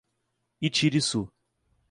Itiruçu